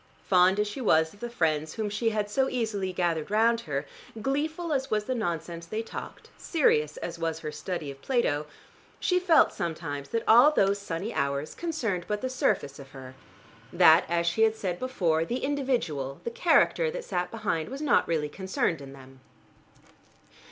Fond as she was of the friends whom she had so easily gathered round her, gleeful as was the nonsense they talked, serious as was her study of Plato, she felt sometimes that all those sunny hours concerned but the surface of her, that, as she had said before, the individual, the character that sat behind was not really concerned in them.